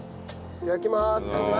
いただきます。